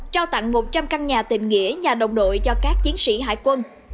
trao tặng một trăm linh căn nhà tình nghĩa nhà đồng đội cho các chiến sĩ hải quân